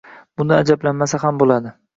Bundan ajablanmasa ham bo'ladi.